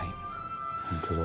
本当だ。